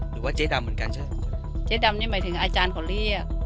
หรือว่าเจ๊ดำเหมือนกันชัดเจ๊ดำนี่หมายถึงอาจารย์เขาเรียก